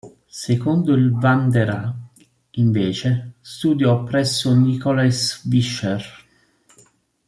Secondo il van der Aa, invece, studiò presso Nicolaes Visscher.